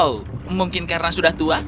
oh mungkin karena sudah tua